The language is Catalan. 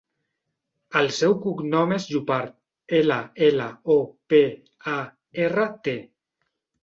El seu cognom és Llopart: ela, ela, o, pe, a, erra, te.